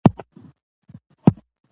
چې ښځه موږ ته د څپلۍ تر تلي